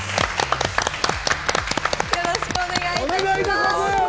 よろしくお願いします。